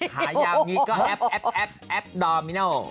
ขายาวงี้ก็แอปแอปดอร์มินัล